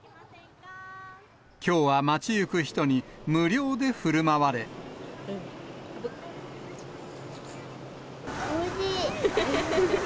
きょうは街行く人に無料でふおいしい。